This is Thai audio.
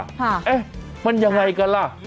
เอ๊ะมันยังไงกันล่ะ